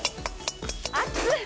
熱い！